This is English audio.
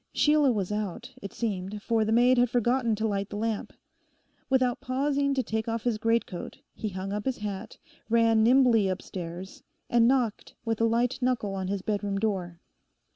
Sheila was out, it seemed, for the maid had forgotten to light the lamp. Without pausing to take off his greatcoat, he hung up his hat, ran nimbly upstairs, and knocked with a light knuckle on his bedroom door.